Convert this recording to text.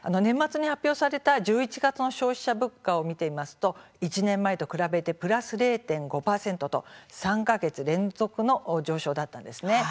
１１月に発表された消費者物価を見てみますと１年前と比べてプラス０．５％と３か月連続の上昇でした。